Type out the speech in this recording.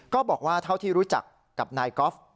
ก็บอกว่าเท่าที่รู้จักกับนายกอล์ฟ